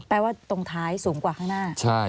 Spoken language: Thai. ว่าตรงท้ายสูงกว่าข้างหน้า